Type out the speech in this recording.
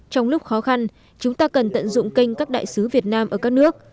trong lúc khó khăn chúng ta cần tận dụng kênh các đại sứ việt nam ở các nước